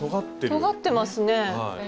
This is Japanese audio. とがってますねえ。